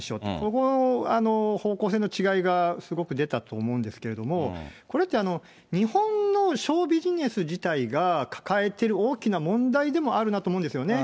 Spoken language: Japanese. ここの方向性の違いが、すごく出たと思うんですけども、これって日本のショービジネス自体が抱えている大きな問題でもあるなと思うんですよね。